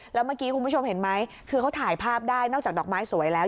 แล้วเมื่อกี้คุณผู้ชมได้ให้ถ่ายภาพได้นอกจากดอกไม้สวยแล้ว